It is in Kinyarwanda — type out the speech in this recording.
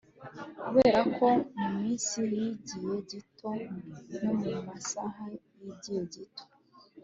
kuberako muminsi yigihe gito no mumasaha yigihe gito